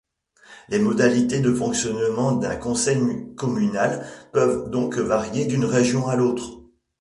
Les modalités de fonctionnement d'un conseil communal peuvent donc varier d'une région à l'autre.